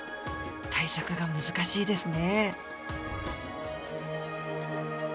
対策が難しいですね